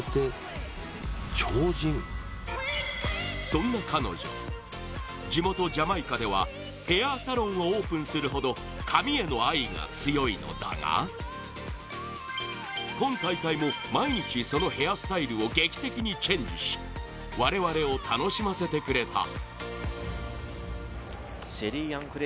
そんな彼女地元ジャマイカではヘアサロンをオープンするほど髪への愛が強いのだが今大会も、毎日そのヘアスタイルを劇的にチェンジし我々を楽しませてくれた。